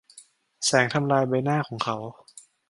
แสงทำลายใบหน้าของเขา